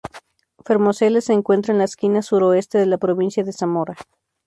Fermoselle se encuentra en la esquina suroeste de la provincia de Zamora.